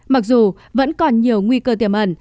mặc dù vẫn còn nhiều nguy cơ tiêm ẩn